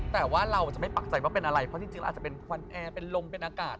แต่ว่าเราจะไม่ปักใจว่าเป็นอะไรเพราะจริงเราอาจจะเป็นควันแอร์เป็นลมเป็นอากาศ